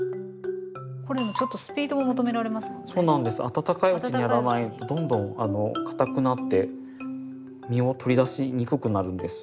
温かいうちにやらないとどんどん堅くなって実を取り出しにくくなるんです。